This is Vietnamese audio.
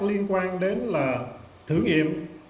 liên quan đến là thử nghiệm